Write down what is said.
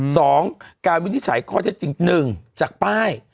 สองการวินิจฉัยข้อเท็จจริงหนึ่งจากป้าย